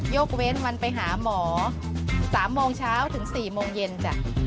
ยกเว้นวันไปหาหมอ๓โมงเช้าถึง๔โมงเย็นจ้ะ